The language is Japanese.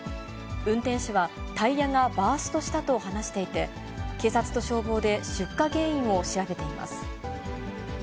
運転手は、タイヤがバーストしたと話していて、警察と消防で出火原因を調べています。